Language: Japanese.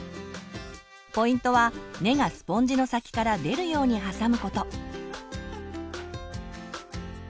ポイントは根がスポンジの先から出るように挟むこと。